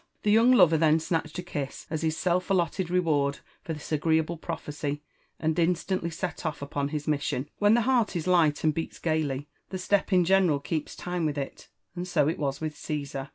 The young lover then snatched a kiss as his self allotted reward for this agreeable prophecy, and instantly set off upon hts mission. When the heart is light and beats gaily, the step in general keeps time with it, — ^and so it was with Caesar.